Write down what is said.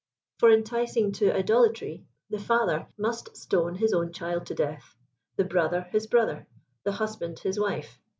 For enticing to idolatry^ the father must stone is own child to death ; the brother his brother ; the husband his wife.